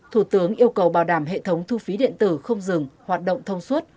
thủ tướng yêu cầu bảo đảm hệ thống thu phí điện tử không dừng hoạt động thông suốt